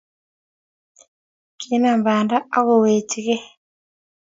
Kinam banda akowechikeu